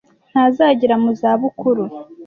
Ntazagera mu zabukuru.